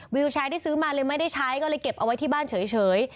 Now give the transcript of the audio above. วิวแชร์ที่ซื้อมาเลยไม่ได้ใช้ก็เลยเก็บเอาไว้ที่บ้านเฉย